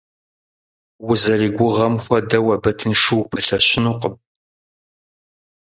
Узэригугъэм хуэдэу абы тыншу упэлъэщынукъым.